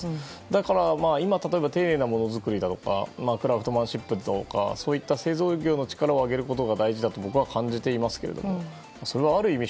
だから、今、例えば丁寧なものづくりやクラフトマンシップとかそういった製造業の力を上げることが僕は感じていますけれどそれはある意味